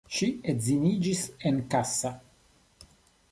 Ŝi edziniĝis en Kassa.